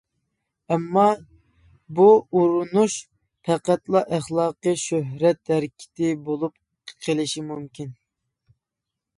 ئەمما بۇ ئۇرۇنۇش پەقەتلا ئەخلاقى شۆھرەت ھەرىكىتى بولۇپ قىلىشى مۇمكىن.